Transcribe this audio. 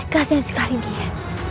kasian sekali dia